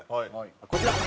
こちら。